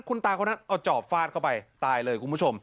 คุณตาคนนั้นเอาจอบฟาดเข้าไปตายเลยคุณผู้ชม